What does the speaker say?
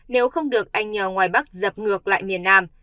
nếu không được anh nhờ ngoài bắc dập ngược lại miền nam